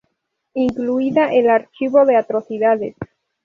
Incluida en "El archivo de atrocidades".